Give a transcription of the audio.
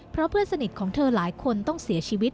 เพราะเพื่อนสนิทของเธอหลายคนต้องเสียชีวิต